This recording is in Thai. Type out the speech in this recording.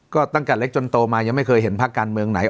ก็ตั้งแต่เล็กจนโตมายังไม่เคยเห็นภาคการเมืองไหน